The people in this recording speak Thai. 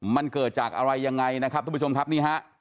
มันเกิดจากอะไรยังไงนะครับทุกผู้ชมครับนี่ฮะ